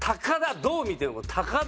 どう見ても鷹だ！」